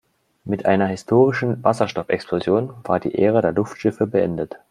Mit einer historischen Wasserstoffexplosion war die Ära der Luftschiffe beendet.